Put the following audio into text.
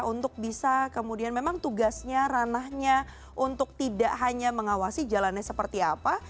untuk bisa kemudian memang tugasnya ranahnya untuk tidak hanya mengawasi jalannya seperti apa